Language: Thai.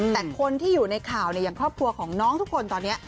แต่คนที่อยู่ในข่าวอย่างครอบครัวของน้องทุกคนตอนนี้